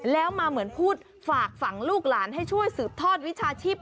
แล้วมาเหมือนพูดฝากฝั่งลูกหลานให้ช่วยสืบทอดวิชาชีพ